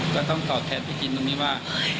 ก็ต้องตอบแทนพี่จินตรงนี้ว่า